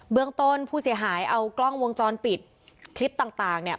ต้นผู้เสียหายเอากล้องวงจรปิดคลิปต่างเนี่ย